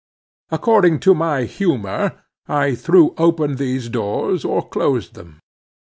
According to my humor I threw open these doors, or closed them.